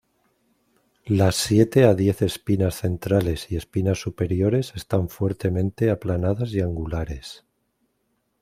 Las siete a diez espinas centrales y espinas superiores están fuertemente aplanadas y angulares.